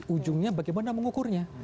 ujungnya bagaimana mengukurnya